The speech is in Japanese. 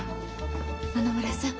野々村さん